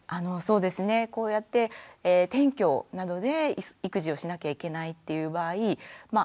こうやって転居などで育児をしなきゃいけないっていう場合まあ